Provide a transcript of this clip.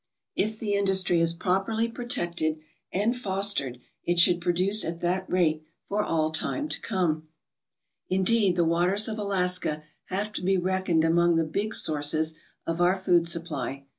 If the industry is properly protected and fostered it should produce at that rate for all time to come. Indeed, the waters of Alaska have to be reckoned among 21 ALASKA OUR NORTHERN WONDERLAND the big sources of our food supply.